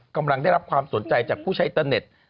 กำลังได้รับความสนใจจากผู้ใช้อินเตอร์เน็ต